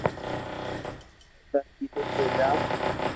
اينآ ڪيدو تو جا